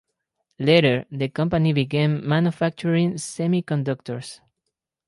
Later, the company began manufacturing semiconductors.